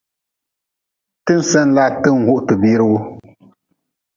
Ti-n sen laa ti-n huh ti biiri wu.